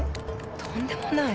とんでもない。